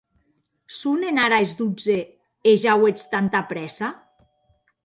Sonen ara es dotze, e ja auetz tanta prèssa?